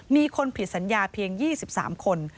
มีคนผิดสัญญาเพียง๒๓คน